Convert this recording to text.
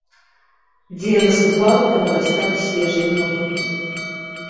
Дзе яна ступала, там вырасталі свежыя могілкі.